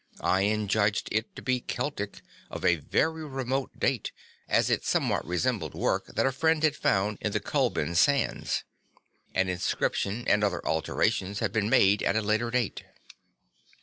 Ian judged it to be Keltic of a very remote date as it somewhat resembled work that a friend had found in the Culbin sands. An inscription and other alterations had been made at a later date.